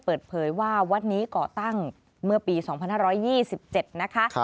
เปิดเผยว่าวัดนี้ก่อตั้งเมื่อปี๒๕๒๗นะคะ